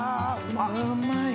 ・うまい！